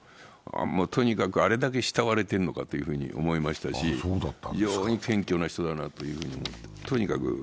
とにかく、あれだけ慕われているのかと思いましたし、非常に謙虚な人だなと思って。